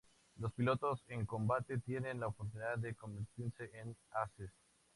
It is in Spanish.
Los pilotos en combate tienen la oportunidad de convertirse en ases.